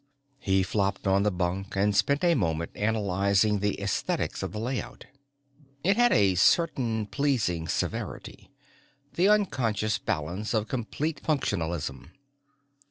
_ He flopped on the bunk and spent a moment analyzing the aesthetics of the layout. It had a certain pleasing severity, the unconscious balance of complete functionalism.